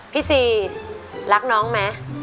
ซีรักน้องไหม